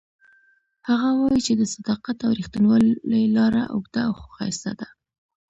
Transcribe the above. هغه وایي چې د صداقت او ریښتینولۍ لاره اوږده خو ښایسته ده